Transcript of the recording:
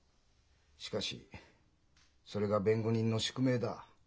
しかしそれが弁護人の宿命だ。